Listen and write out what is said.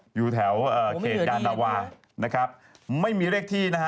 โหอยู่แถวเอ่อเขตกาลาวานะครับไม่มีเลขที่นะฮะ